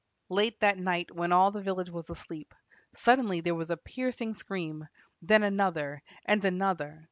Late that night, when all the village was asleep, suddenly there was a piercing scream, then another, and another.